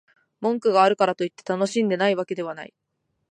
文句があるからといって、楽しんでないわけではない